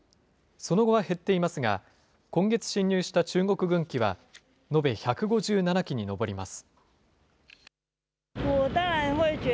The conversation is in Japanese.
その後は減っていますが、今月進入した中国軍機は延べ１５７機に上ります。